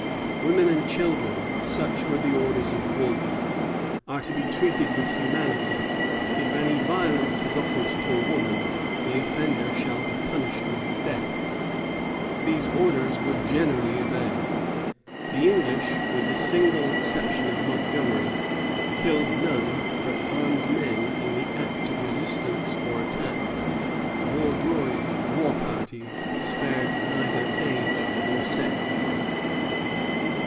"Women and children," such were the orders of Wolfe, "are to be treated with humanity; if any violence is offered to a woman, the offender shall be punished with death." These orders were generally obeyed. The English, with the single exception of Montgomery, killed none but armed men in the act of resistance or attack; Vaudreuil's war parties spared neither age nor sex.